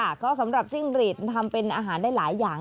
ค่ะก็สำหรับจิ้งหรีดทำเป็นอาหารได้หลายอย่าง